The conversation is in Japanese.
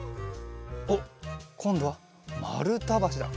おっこんどはまるたばしだ。